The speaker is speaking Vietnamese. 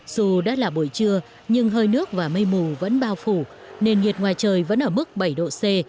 dù đã là buổi trưa nhưng hơi nước và mây mù vẫn bao phủ nền nhiệt ngoài trời vẫn ở mức bảy độ c